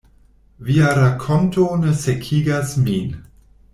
“Via rakonto ne sekigas min.”